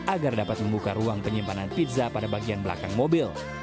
agar dapat membuka ruang penyimpanan pizza pada bagian belakang mobil